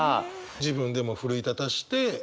自分でも奮い立たして。ですね。